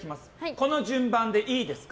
この順番でいいですか？